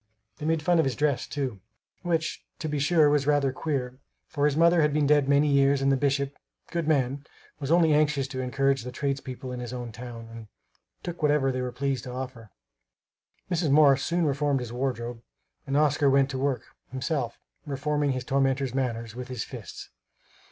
They made fun of his dress, too, which to be sure was rather queer, for his mother had been dead many years and the bishop, good man, was only anxious to encourage the tradespeople in his own town, and took whatever they were pleased to offer. Mrs. Morris soon reformed his wardrobe, and Oscar went to work, himself, reforming his tormentors' manners with his fists.